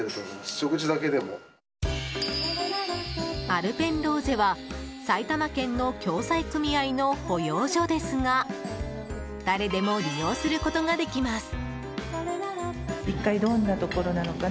アルペンローゼは埼玉県の共済組合の保養所ですが誰でも利用することができます。